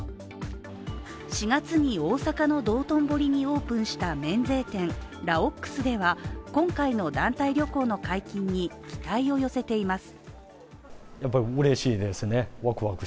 ４月に大阪の道頓堀にオープンした免税店・ラオックスでは、今回の団体旅行の解禁に期待を寄せています。